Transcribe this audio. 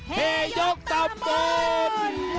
ให้ยกตะหมุน